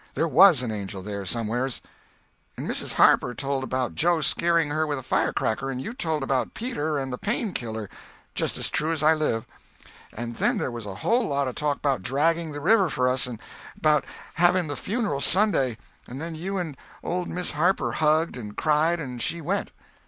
There was an angel there, somewheres!" "And Mrs. Harper told about Joe scaring her with a firecracker, and you told about Peter and the Pain killer—" "Just as true as I live!" "And then there was a whole lot of talk 'bout dragging the river for us, and 'bout having the funeral Sunday, and then you and old Miss Harper hugged and cried, and she went."